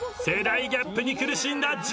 世代ギャップに苦しんだ。